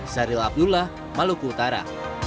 syaril abdullah maluku utara